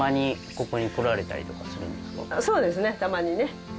そうですねたまにね。